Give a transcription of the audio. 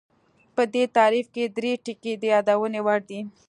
په دې تعریف کې درې ټکي د یادونې وړ دي